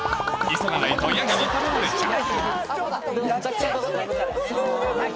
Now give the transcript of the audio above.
急がないとヤギに食べられちゃう。